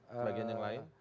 sebagian yang lain